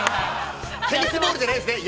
◆テニスボールじゃないんですね。